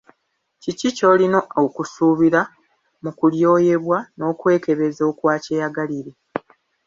Kiki ky’olina okusuubira mu kulyoyebwa n’okwekebeza okwa kyeyagalire?